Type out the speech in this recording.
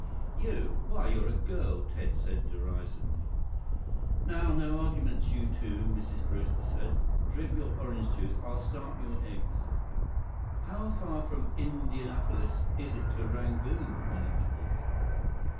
"You! Why, you're a girl," Ted said derisively. "Now, no arguments, you two," Mrs. Brewster said. "Drink your orange juice. I'll start your eggs." "How far from Indianapolis is it to Rangoon?" Monica asked.